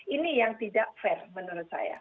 ini yang tidak fair menurut saya